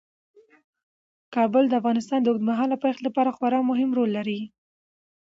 کابل د افغانستان د اوږدمهاله پایښت لپاره خورا مهم رول لري.